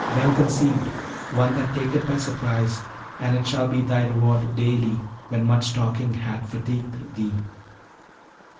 well conceived; one that taketh by surprise; and it shall be thy reward daily when much talking hath fatigued thee.'